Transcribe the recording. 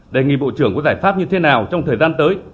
đề nghị bộ trưởng có giải pháp như thế nào trong thời gian tới